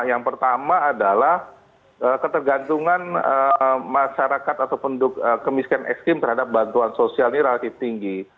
yang pertama adalah ketergantungan masyarakat atau penduduk kemiskinan ekstrim terhadap bantuan sosial ini relatif tinggi